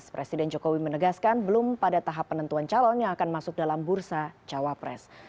presiden jokowi menegaskan belum pada tahap penentuan calon yang akan masuk dalam bursa cawapres